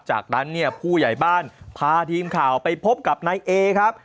จากนั้นเนี่ยผู้ใหญ่บ้านพาทีมข่าวไปพบกับนายเอครับ